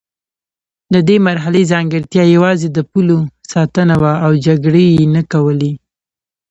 د دې مرحلې ځانګړتیا یوازې د پولو ساتنه وه او جګړې یې نه کولې.